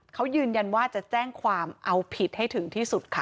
เขายืนยันว่าจะแจ้งความเอาผิดให้ถึงที่สุดค่ะ